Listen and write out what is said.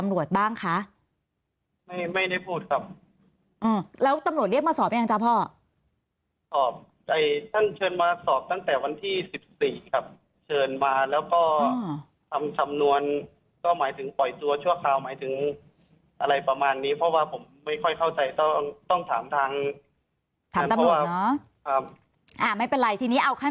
แล้วยังไงต่อค่ะ